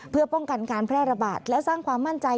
เพื่อป้องกันการแพร่ระบาดและสร้างความมั่นใจ